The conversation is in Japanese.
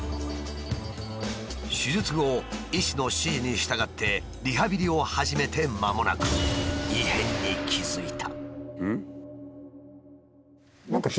手術後医師の指示に従ってリハビリを始めてまもなく異変に気付いた。